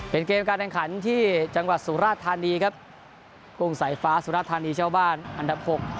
เป็นเกมการแข่งขันที่จังหวัดสุราธานีครับกุ้งสายฟ้าสุรธานีเจ้าบ้านอันดับหก